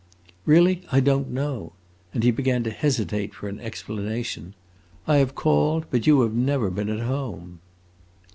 "Really, I don't know." And he began to hesitate for an explanation. "I have called, but you have never been at home."